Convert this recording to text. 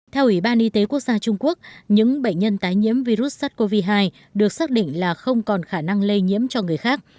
theo ủy ban y tế quốc gia trung quốc những bệnh nhân tái nhiễm virus sars cov hai được xác định là không còn khả năng lây nhiễm cho người khác